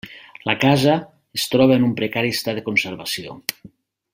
La casa es troba en un precari estat de conservació.